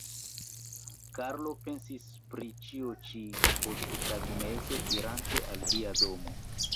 Karlo pensis pri ĉio ĉi, posttagmeze, irante al lia domo.